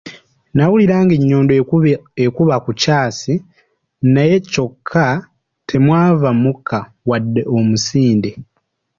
Nawulira ng'ennyondo ekuba ku kyasi, naye kyokka temwava mukka wadde omusinde.